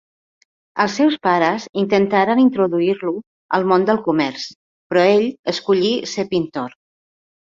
Els seus pares intentaren introduir-lo al món del comerç, però ell escollí ser pintor.